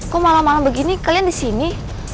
kok malam malam begini kalian disini